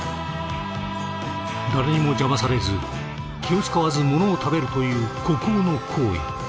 誰にも邪魔されず気を遣わずものを食べるという孤高の行為。